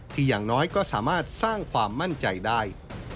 อย่างน้อยก็สามารถสร้างความมั่นใจได้